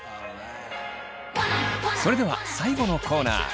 それでは最後のコーナー。